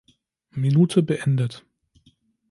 Minute beendet.